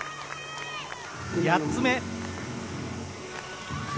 ８つ目。